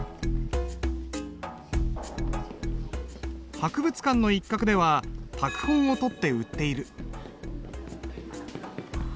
博物館の一角では拓本をとって売っている。